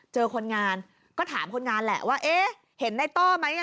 คนงานก็ถามคนงานแหละว่าเอ๊ะเห็นในต้อไหม